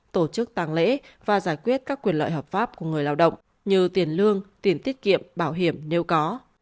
tổ chức tàng lễ và giải quyết các quyền lợi hợp pháp của người lao động như tiền lương tiền tiết kiệm bảo hiểm nếu có